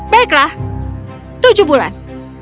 baiklah tujuh bulan